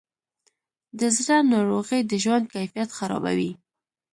د زړه ناروغۍ د ژوند کیفیت خرابوي.